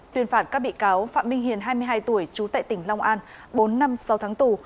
tuyên phạt các bị cáo phạm minh hiền hai mươi hai tuổi chú tệ tỉnh long an bốn năm sau tháng tù